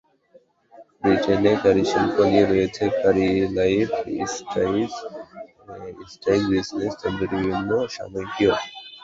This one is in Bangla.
ব্রিটেনে কারি শিল্প নিয়ে রয়েছে curry life, spice business, tandoori ইত্যাদি সাময়িকীও।